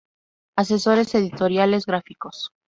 Asesores Editoriales Gráficos.